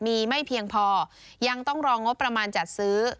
มีไม่เพียงพอยังต้องรองบประมาณจัดซื้อ